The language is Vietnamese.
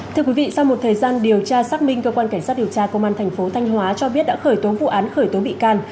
thưa quý vị sau một thời gian điều tra xác minh cơ quan cảnh sát điều tra công an thành phố thanh hóa cho biết đã khởi tố vụ án khởi tố bị can